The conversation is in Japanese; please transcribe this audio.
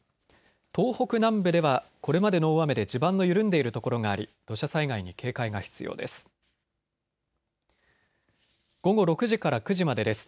東北南部ではこれまでの大雨で地盤の緩んでいるところがあり土砂災害に警戒が必要です。